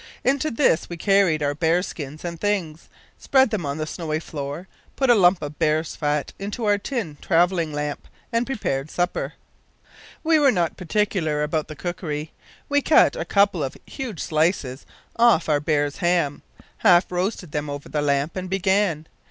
"Into this we carried our bear skins and things, spread them on the snowy floor, put a lump of bear's fat into our tin travelling lamp, and prepared supper. We were not particular about the cookery. We cut a couple of huge slices off our bear's ham, half roasted them over the lamp, and began.